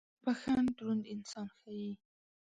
• بخښن دروند انسان ښيي.